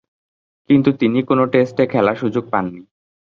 কিন্তু তিনি কোন টেস্টে খেলার সুযোগ পাননি।